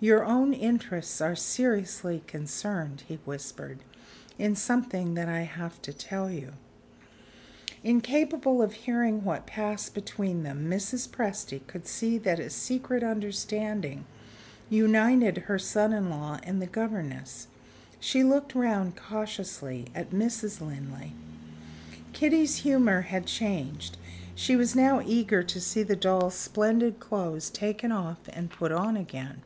"Your own interests are seriously concerned," he whispered, "in something that I have to tell you." Incapable of hearing what passed between them, Mrs. Presty could see that a secret understanding united her son in law and the governess. She looked round cautiously at Mrs. Linley. Kitty's humor had changed; she was now eager to see the doll's splendid clothes taken off and put on again.